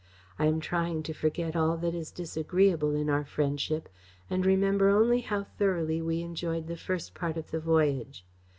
I am trying to forget all that is disagreeable in our friendship, and remember only how thoroughly we enjoyed the first part of the voyage.